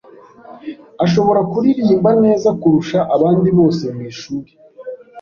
Ashobora kuririmba neza kurusha abandi bose mu ishuri rye.